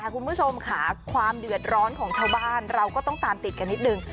คุณผู้ชมค่ะความเดือดร้อนของชาวบ้านเราก็ต้องตามติดกันนิดนึง